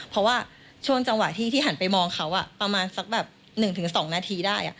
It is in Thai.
เพราะว่าช่วงจังหวะที่หันไปมองเขาประมาณสักแบบ๑๒นาทีได้